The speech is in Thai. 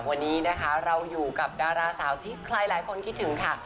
วันนี้นะคะเราอยู่กับดาราสาวที่ใครหลายคนคิดถึงค่ะ